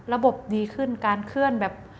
ดีขึ้นการเคลื่อนแบบ